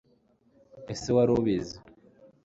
ese wari ubizi